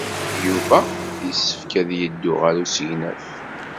Yuba yessefk ad yeddu ɣer usegnaf.